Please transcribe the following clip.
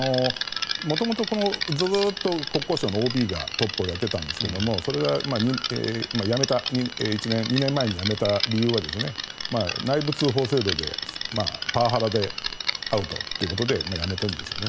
元々、ずっと国交省のＯＢがトップをやっていたんですがそれが２年前に辞めた理由は内部通報制度でパワハラでアウトということで辞めてるんですよね。